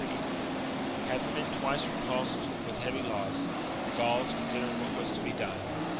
Having been twice repulsed with heavy loss, the Gauls considered what was to be done.